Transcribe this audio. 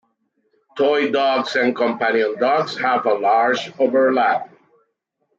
Toy dogs and companion dogs have a large overlap.